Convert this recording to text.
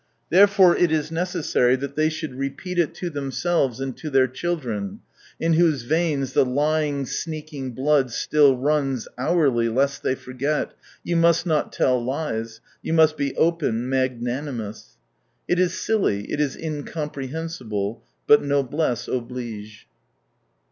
Therefore it is necessary that they should repeat it to themselves and to their children, in whose veins the lying, sneaking blood still runs, hourly, lest they forget :" You must not tell lies, you must be open, mag nanimous." It is silly, it is incompre hensible — but " noblesse oblige.